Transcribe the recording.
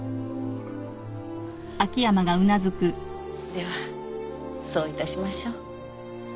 ではそういたしましょう。